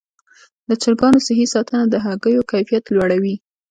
د چرګانو صحي ساتنه د هګیو کیفیت لوړوي.